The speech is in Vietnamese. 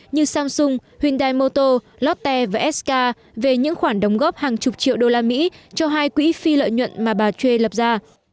như samsung hyundai motor lotte và sk về những khoản đóng góp hàng chục triệu đô la mỹ cho hai quỹ phi lợi nhuận mà bà chury lập ra